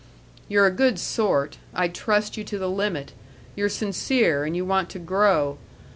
You're a good sort I'd trust you to the limit you're sincere and you want to grow.